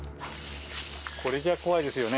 これじゃ怖いですよね。